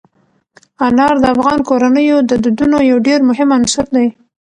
انار د افغان کورنیو د دودونو یو ډېر مهم عنصر دی.